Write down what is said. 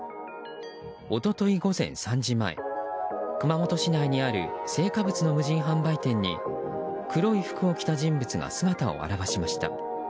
一昨日午前３時前熊本市内にある青果物の無人販売店に黒い服を着た人物が姿を現しました。